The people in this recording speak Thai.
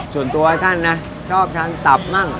ส่วนตัวท่านนะชอบทานตับมั่ง